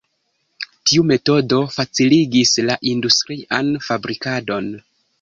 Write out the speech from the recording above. Tiu metodo faciligis la industrian fabrikadon.